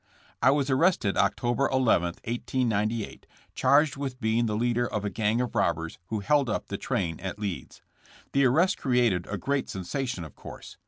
I was arrested October 11, 1898, charged with being the leader of a gang of robbers who held up the train at Leeds. The arrest created a great sen sation, of course.